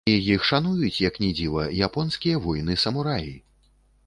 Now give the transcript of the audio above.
І іх шануюць, як ні дзіва, японскія воіны-самураі!